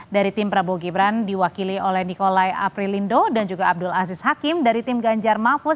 dari tim prabowo gibran diwakili oleh nikolai aprilindo dan juga abdul aziz hakim dari tim ganjar mahfud